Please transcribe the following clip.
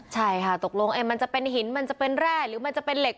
ใช่ค่ะตกลงมันจะเป็นหินมันจะเป็นแร่หรือมันจะเป็นเหล็ก